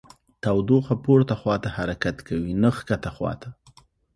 تودوخه پورته خواته حرکت کوي نه ښکته خواته.